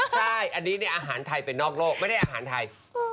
ใช่อันนี้อาหารไทยเป็นนอกโลกไม่ได้อาหารไทย